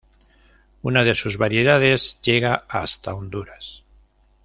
Una de sus variedades llega hasta Honduras.